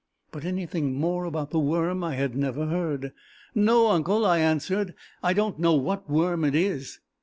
but anything more about the worm I had never heard. "No, uncle," I answered; "I don't know what worm it is."